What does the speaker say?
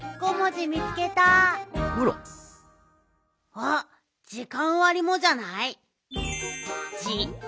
あっじかんわりもじゃない？